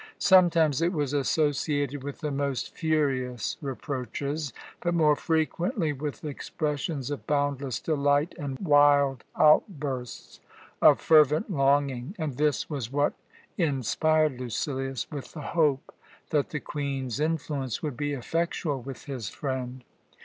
Sometimes it was associated with the most furious reproaches, but more frequently with expressions of boundless delight and wild outbursts of fervent longing, and this was what inspired Lucilius with the hope that the Queen's influence would be effectual with his friend.